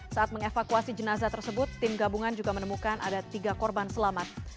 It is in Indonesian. saat mengevakuasi jenazah tersebut tim gabungan juga menemukan ada tiga korban selamat